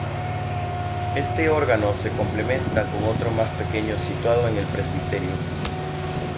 Este órgano se complementa con otro más pequeño situado en el presbiterio.